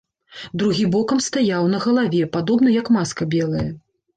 Другі бокам стаяў, на галаве, падобна, як маска белая.